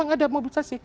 enggak ada mobilisasi